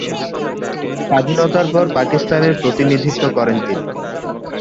স্বাধীনতার পর পাকিস্তানের প্রতিনিধিত্ব করেন তিনি।